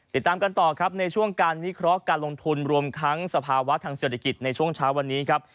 ติดตามกันต่อครับในช่วงการวิเคราะห์การลงทุนรวมทั้งสภาวะทางเศรษฐกิจในช่วงเช้าวันนี้ครับ